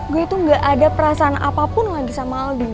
gue tuh gak ada perasaan apapun lagi sama aldino